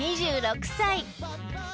２６歳。